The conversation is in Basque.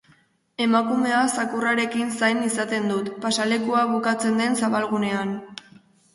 Emakumea zakurrarekin zain izaten dut pasealekua bukatzen den zabalgunean.